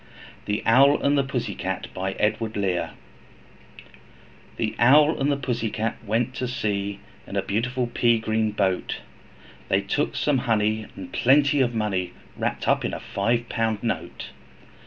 Y Z The Owl and the Pussy Cat THE Owl and the Pussy Cat went to sea In a beautiful pea green boat, They took some honey, and plenty of money, Wrapped up in a five pound note.